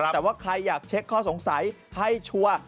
แต่ว่าใครอยากเช็คข้อสงสัยให้ชัวร์